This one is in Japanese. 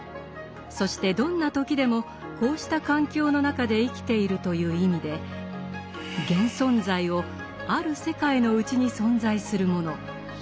そしてどんな時でもこうした環境の中で生きているという意味で現存在をある世界の内に存在するもの